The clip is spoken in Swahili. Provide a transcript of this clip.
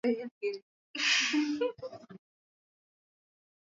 Idhaa ya Kiswahili yaadhimisha miaka sitini ya Matangazo.